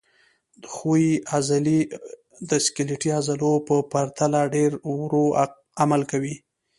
ښویې عضلې د سکلیټي عضلو په پرتله ډېر ورو عمل کوي.